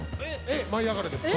「舞いあがれ！」ですか？